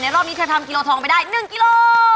รอบนี้เธอทำกิโลทองไปได้๑กิโล